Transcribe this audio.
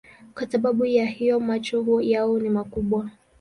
Kwa sababu ya hiyo macho yao ni makubwa.